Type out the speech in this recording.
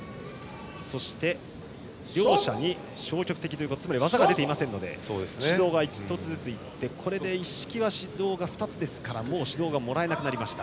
そして、両者に消極的技が出ていませんので指導が１つずつ行ってこれで一色は指導２つでもう指導がもらえなくなりました。